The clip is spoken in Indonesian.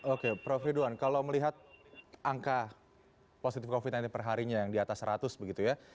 oke prof ridwan kalau melihat angka positif covid sembilan belas perharinya yang di atas seratus begitu ya